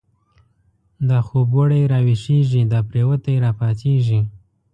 دا خوب و ړی را ویښیږی، دا پریوتی را پاڅیږی